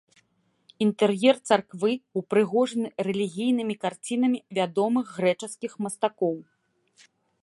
Інтэр'ер царквы ўпрыгожаны рэлігійнымі карцінамі вядомых грэчаскіх мастакоў.